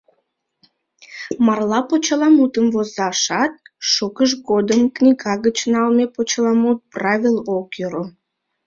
Марла почеламутым возашат шукыж годым книга гыч налме почеламут правил ок йӧрӧ.